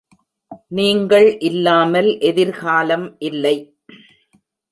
நீங்கள் இல்லாமல் எதிர்காலம் இல்லை.